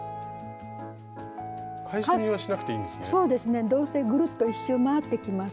どうせぐるっと１周回ってきますので。